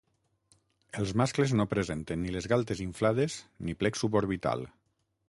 Els mascles no presenten ni les galtes inflades ni plec suborbital.